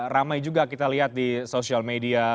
ramai juga kita lihat di sosial media